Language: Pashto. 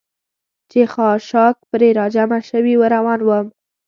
چې خاشاک پرې را جمع شوي و، روان ووم.